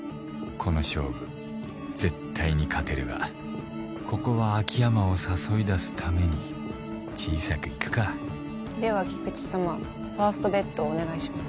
この勝負絶対に勝てるがここは秋山を誘い出すために小さくいくかでは菊地さまファーストベットをお願いします。